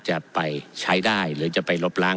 จะไปใช้ได้หรือจะไปลบล้าง